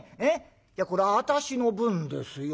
いやこれ私の分ですよ。